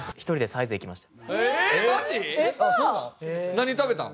何食べたん？